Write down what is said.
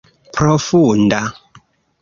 profunda